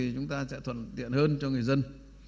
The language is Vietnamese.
chúng ta sẽ thuận tiện hơn cho người dân